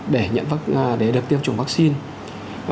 để được tiêm chủng vaccine